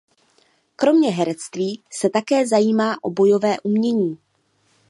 Kromě herectví se také zajímá o bojové umění.